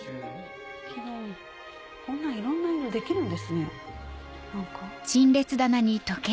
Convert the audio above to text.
こんないろんな色できるんですね何か。